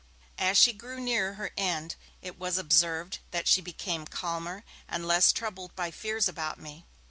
As she grew nearer her end, it was observed that she became calmer, and less troubled by fears about me.